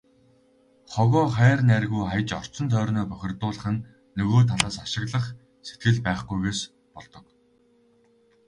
Хогоо хайр найргүй хаяж, орчин тойрноо бохирдуулах нь нөгөө талаас ашиглах сэтгэл байхгүйгээс болдог.